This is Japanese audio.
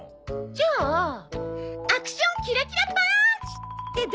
じゃあ「アクションキラキラパーンチ！」ってどう？